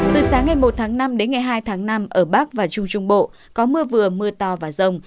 từ sáng ngày một tháng năm đến ngày hai tháng năm ở bắc và trung trung bộ có mưa vừa mưa to và rông